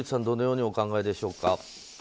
どのようにお考えでしょうか。